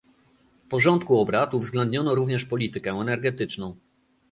W porządku obrad uwzględniono również politykę energetyczną